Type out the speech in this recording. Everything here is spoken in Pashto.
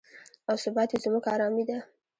او ثبات یې زموږ ارامي ده.